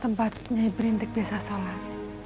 tempat nyai berintik biasa sholat